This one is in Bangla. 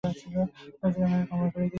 আর তার জন্য আমায় ক্ষমা করে দিস।